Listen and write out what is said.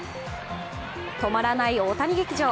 止まらない大谷劇場。